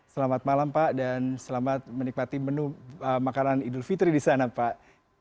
selamat malam pak dan selamat menikmati menu makanan idul fitri di sana pak